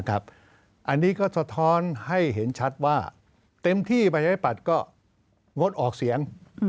อันนี้ก็สะท้อนให้เห็นชัดว่าเต็มที่ประชาธิปัตย์ก็งดออกเสียง